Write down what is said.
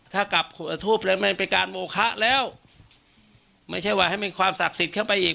ถ้ากลับทูปแล้วมันเป็นการโมคะแล้วไม่ใช่ว่าให้มีความศักดิ์สิทธิ์เข้าไปอีก